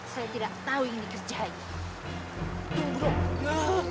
saya tidak tahu yang dikerjain